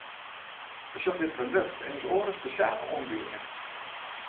Besjoch dit produkt en ús oare spesjale oanbiedingen!